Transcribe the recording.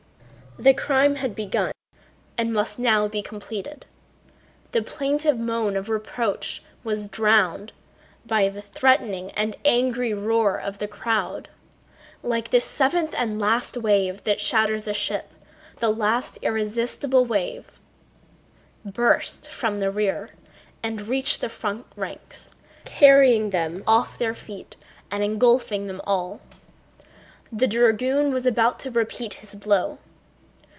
The crime had begun and must now be completed. The plaintive moan of reproach was drowned by the threatening and angry roar of the crowd. Like the seventh and last wave that shatters a ship, that last irresistible wave burst from the rear and reached the front ranks, carrying them off their feet and engulfing them all. The dragoon was about to repeat his blow.